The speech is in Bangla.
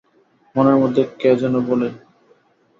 মনের মধ্যে কে যেন বলে।